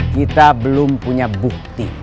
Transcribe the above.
kita belum punya bukti